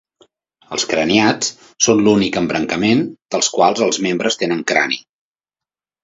Els craniats són l'únic embrancament del qual els membres tenen crani.